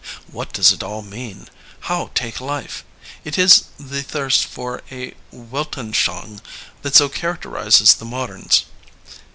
What does it all mean ? How take life ? It is the thirst for a Weltanschauung that so charac terizes the modems.